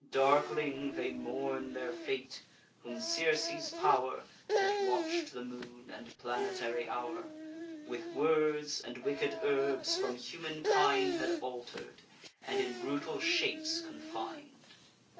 Darkling they mourn their fate, whom Circe's pow'r, (That watch'd the moon and planetary hour,) With words and wicked herbs from humankind Had alter'd, and in brutal shapes confin'd.